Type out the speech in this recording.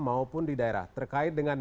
maupun di daerah terkait dengan